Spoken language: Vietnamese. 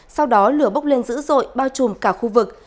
sau đó lửa bốc lên dữ dội bao trùm cả khu vực